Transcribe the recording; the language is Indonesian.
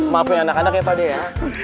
maafin anak anak ya pak de ya